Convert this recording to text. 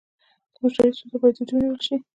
د مشتري ستونزه باید جدي ونیول شي.